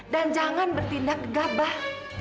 dan jangan bertindak gabah